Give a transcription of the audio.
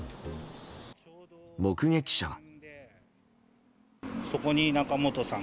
目撃者は。